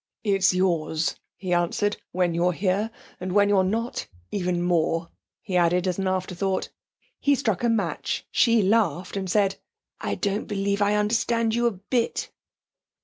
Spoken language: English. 'It's yours,' he answered, 'when you're here. And when you're not, even more,' he added as an afterthought. He struck a match; she laughed and said: 'I don't believe I understand you a bit.'